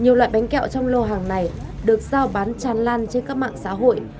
nhiều loại bánh kẹo trong lô hàng này được giao bán tràn lan trên các mạng xã hội